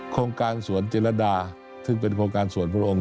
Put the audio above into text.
โครงการสวนจิรดาซึ่งเป็นโครงการสวนพระองค์